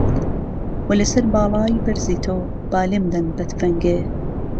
وە لە سەر باڵای بەرزی تۆ، با لێم دەن بە تفەنگێ